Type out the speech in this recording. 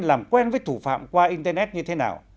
làm quen với thủ phạm qua internet như thế nào